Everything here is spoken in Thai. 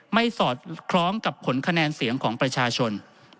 สอดคล้องกับผลคะแนนเสียงของประชาชน